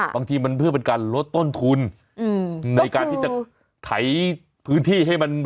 บางทีมันเพื่อเป็นการลดต้นทุนในการที่จะไถพื้นที่ให้มัน